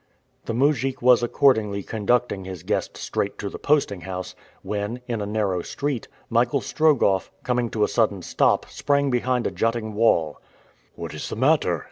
The mujik was accordingly conducting his guest straight to the posting house, when, in a narrow street, Michael Strogoff, coming to a sudden stop sprang behind a jutting wall. "What is the matter?"